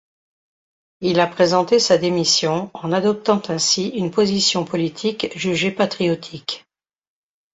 Il a présenté sa démission en adoptant ainsi une position politique jugé patriotique.